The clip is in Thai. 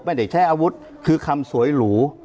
ไม่ได้ใช้อาวุธคือคำสวยหรู